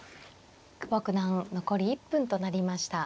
久保九段残り１分となりました。